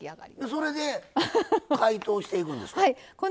それで解凍していくんですか。